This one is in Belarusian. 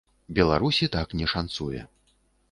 Беларусі так не шанцуе.